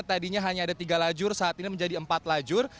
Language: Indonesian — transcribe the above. tadinya hanya ada tiga lajur saat ini menjadi empat lajur